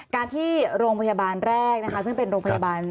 การที่โรงพยาบาลแรกนะคะ